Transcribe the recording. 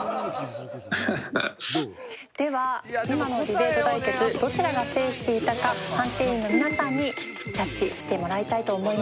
では今のディベート対決どちらが制していたか判定員の皆さんにジャッジしてもらいたいと思います。